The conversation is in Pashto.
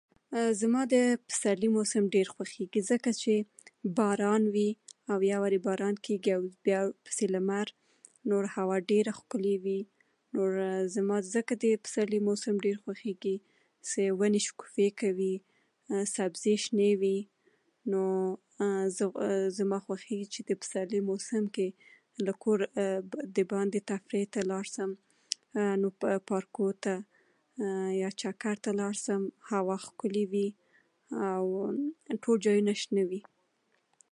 زما د پسرلي موسم ډېر خوښېږي، ځکه چې باران وي، او باران کې بیا ورپسې لمر او هوا ډېره ښکلې وي. نوره زم، ځکه د پسرلي موسم ډېر خوښېږي چې ونې شګوفې کوي، سبزي شنې وي. نو زما، زما خوښېږي چې د پسرلي موسم کې له کوره دباندې تفریح ته لاړ شم، پارکونو ته یا چکر ته لاړ شم. هوا ښکلې وي او ټول ځایونه شنه وي.